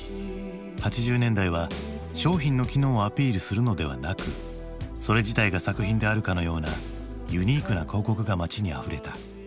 ８０年代は商品の機能をアピールするのではなくそれ自体が作品であるかのようなユニークな広告が街にあふれた。